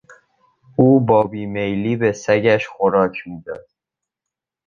او با بیمیلی به سگش خوراک میداد.